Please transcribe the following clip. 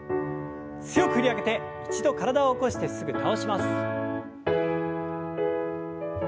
強く振り上げて一度体を起こしてすぐ倒します。